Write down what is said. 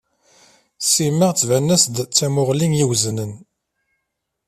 Sima tban-as-d d tamuɣli i weznen.